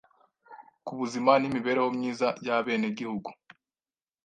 ku buzima n’imibereho myiza y’abenegihugu.